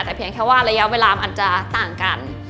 แต่เพียงแค่ว่าระยะเวลามันจะต่างกัน